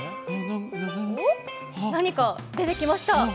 お、何か出てきました。